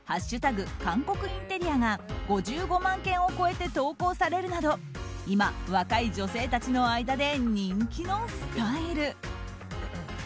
韓国インテリア」が５５万件を超えて投稿されるなど今、若い女性たちの間で人気のスタイル。